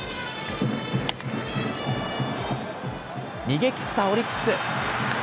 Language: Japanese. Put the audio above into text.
逃げきったオリックス。